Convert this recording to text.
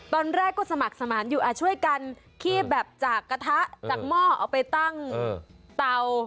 ตอนแรกก็สมัครสมานอยู่ช่วยกันคีบแบบจากกระทะจากหม้อเอาไปตั้งเตา